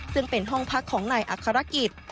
ซึ่งเป็นห้องพักของนายอัครกิจ